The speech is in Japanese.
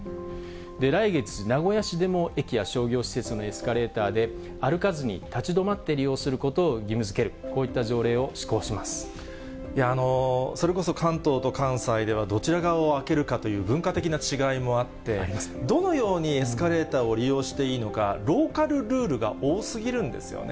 来月、名古屋市でも駅や商業施設のエスカレーターで、歩かずに立ち止まって利用することを義務づける、それこそ関東と関西では、どちら側を空けるかという文化的な違いもあって、どのようにエスカレーターを利用していいのか、ローカルルールが多すぎるんですよね。